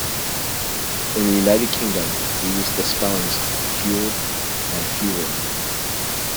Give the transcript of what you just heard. In the United Kingdom we use the spellings fuelled and fuelling.